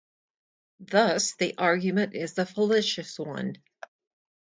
Thus the argument is a fallacious one.